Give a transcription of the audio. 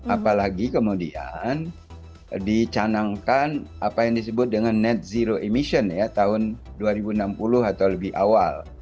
apalagi kemudian dicanangkan apa yang disebut dengan net zero emission ya tahun dua ribu enam puluh atau lebih awal